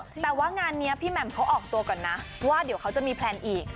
แต่ว่างานนี้พี่แหม่มเขาออกตัวก่อนนะว่าเดี๋ยวเขาจะมีแพลนอีก